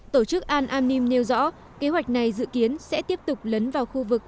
tổ chức al anim nêu rõ kế hoạch này dự kiến sẽ tiếp tục lấn vào khu vực